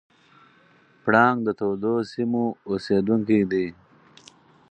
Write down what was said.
پړانګ د تودو سیمو اوسېدونکی دی.